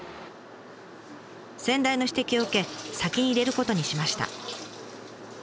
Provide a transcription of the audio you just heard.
先代の指摘を受け先に入れることにしました。